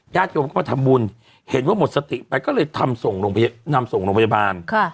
ญาติโยมก็มาทำบุญเห็นว่าหมดสติไปก็เลยนำสงฆ์ลงพยาบาล